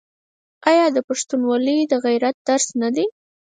آیا پښتونولي د غیرت درس نه دی؟